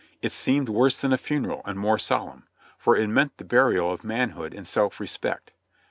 It seemed worse than a funeral and more solemn, for it meant the burial of manhood and self respect.